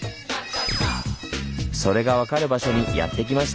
それが分かる場所にやって来ました。